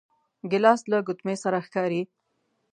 ګیلاس له ګوتمې سره ښکاري.